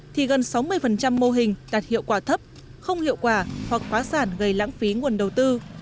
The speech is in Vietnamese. thì gần sáu mươi mô hình đạt hiệu quả thấp không hiệu quả hoặc phá sản gây lãng phí nguồn đầu tư